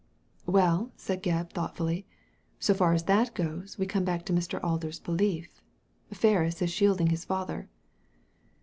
"Well," said Gebb, thoughtfully, "so far as that goes, we come back to Mn Alder's belief. Ferris is shielding his father."